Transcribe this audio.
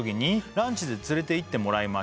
「ランチで連れて行ってもらいました」